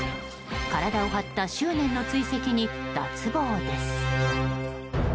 体を張った執念の追跡に脱帽です。